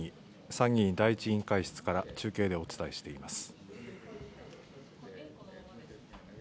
参議院第１委員会室から中継でお伝えしています。